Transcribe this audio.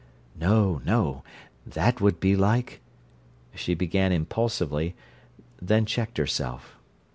"No, no! That would be like—" she began impulsively; then checked herself.